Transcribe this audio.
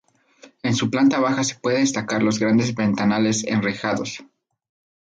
En su planta baja se puede destacar los grandes ventanales enrejados.